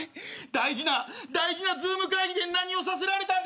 大事な大事なＺｏｏｍ会議で何をさせられたんでした？